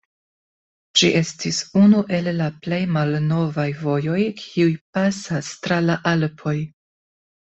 Ĝi estis unu el la plej malnovaj vojoj, kiuj pasas tra la Alpoj.